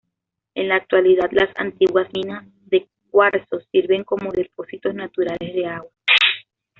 En la actualidad las antiguas minas de cuarzo sirven como depósitos naturales de agua.